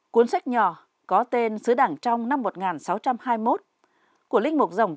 cuốn sách nhỏ có tên sứ đảng trong năm một nghìn chín trăm ba mươi sáu